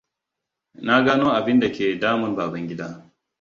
Na gano abin da ke damun Babangida.